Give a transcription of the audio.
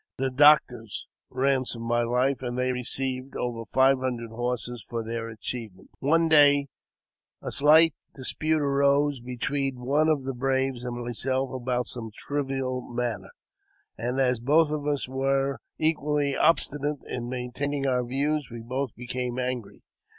The doctors ransomed my life, and they received over five hundred horses for their achievement. One day a slight dispute arose between one of the braves 154 AUTOBIOGBAPHY OF and myself about some trivial matter, and as both of us were equally obstinate in maintaining our views, we both became angry.